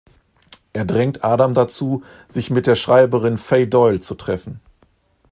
Er drängt Adam dazu, sich mit der Schreiberin Fay Doyle zu treffen.